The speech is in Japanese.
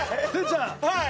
はい！